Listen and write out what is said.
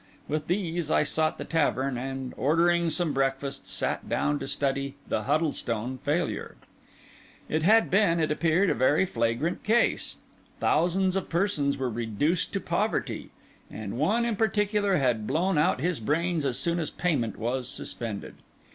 With these I sought the tavern, and, ordering some breakfast, sat down to study the "Huddlestone Failure." It had been, it appeared, a very flagrant case. Thousands of persons were reduced to poverty; and one in particular had blown out his brains as soon as payment was suspended.